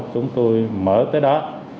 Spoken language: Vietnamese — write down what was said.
chúng tôi mở tới đó